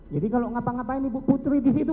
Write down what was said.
jadi kalau ngapa ngapain ibu putri disitu